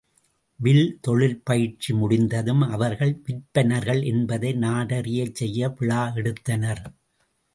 Will தொழில்பயிற்சி முடிந்ததும் அவர்கள் விற்பன்னர்கள் என்பதை நாடறிச் செய்ய விழா எடுத்தனர்.